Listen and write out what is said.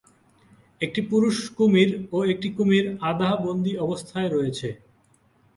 একটি পুরুষ কুমির ও একটি কুমির আধা-বন্দী অবস্থায় রয়েছে।